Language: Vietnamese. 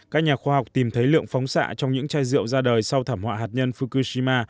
các nhà khoa học tìm thấy lượng phóng xạ trong những chai rượu ra đời sau thảm họa hạt nhân fukushima